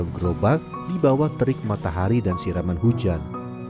orang gerobak dibawa terik matahari dan siraman hujan